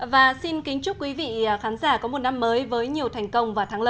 và xin kính chúc quý vị khán giả có một năm mới với nhiều thành công